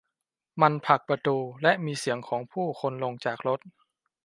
มันผลักประตู และมีเสียงของผู้คนลงจากรถ